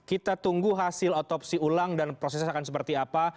kita tunggu hasil otopsi ulang dan prosesnya akan seperti apa